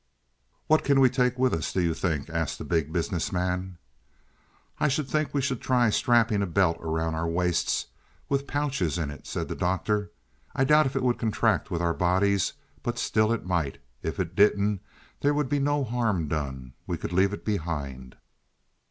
"What can we take with us, do you think?" asked the Big Business Man. "I think we should try strapping a belt around our waists, with pouches in it," said the Doctor. "I doubt if it would contract with our bodies, but still it might. If it didn't there would be no harm done; we could leave it behind."